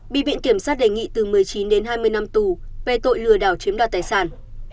bị viện kiểm sát đề nghị từ một mươi chín đến hai mươi năm tù về tội lừa đảo chiếm đoạt tài sản